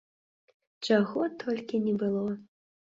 Чаго толькі не было!